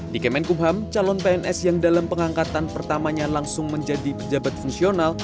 di kemenkumham calon pns yang dalam pengangkatan pertamanya langsung menjadi pejabat fungsional